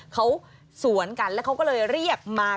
เขาสวนกันแล้วเขาก็เลยเรียกมา